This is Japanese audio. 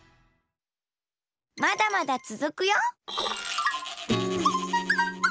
まだまだつづくよ！